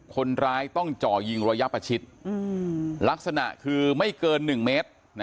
คนร้ายต้องจ่อยิงระยะประชิดลักษณะคือไม่เกิน๑เมตร